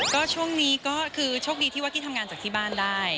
ก็ช่วงนี้ก็คือโชคดีที่ว่ากี้ทำงานจากที่บ้านได้